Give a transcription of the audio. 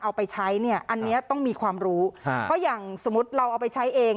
เอาไปใช้เนี่ยอันเนี้ยต้องมีความรู้เพราะอย่างสมมุติเราเอาไปใช้เอง